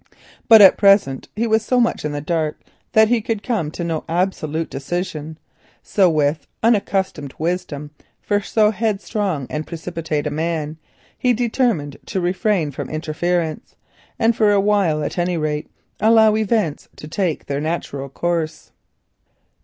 But at present he was so much in the dark that he could come to no absolute decision, so with unaccustomed wisdom for so headstrong and precipitate a man, he determined to refrain from interference, and for a while at any rate allow events to take their natural course.